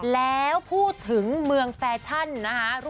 แล้วพูดถึงเมืองแฟชั่นนะคะ